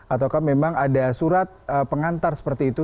ataukah memang ada surat pengantar seperti itu